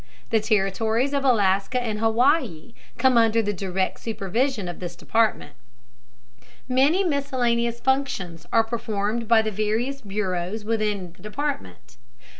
The territories of Alaska and Hawaii come under the direct supervision of this department. Many miscellaneous functions are performed by the various bureaus within the department.